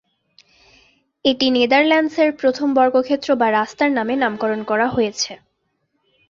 এটি নেদারল্যান্ডসের প্রথম বর্গক্ষেত্র বা রাস্তার নামে নামকরণ করা হয়েছে।